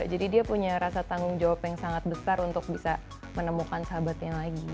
jadi dia punya rasa tanggung jawab yang sangat besar untuk bisa menemukan sahabatnya lagi